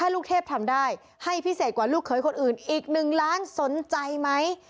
ลูกเทพทำได้ให้พิเศษกว่าลูกเขยคนอื่นอีก๑ล้านสนใจไหม